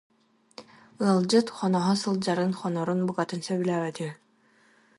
Ыалдьыт, хоноһо сылдьарын, хонорун букатын сөбүлээбэт үһү